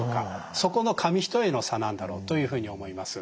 そこの紙一重の差なんだろうというふうに思います。